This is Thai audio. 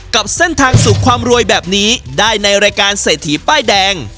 กับเส้นทางสู่ความรวยแบบนี้ได้ในรายการเศรษฐีป้ายแดง